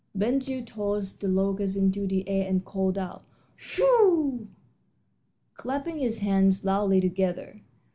Ben Gile tossed the locust into the air and called out, "Shoo!" clapping his hands loudly together.